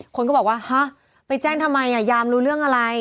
คนก็บอกว่าฮะไปแจ้งทำไมยามรู้เรื่องอะไร